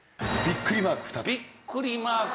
ビックリマーク２つです。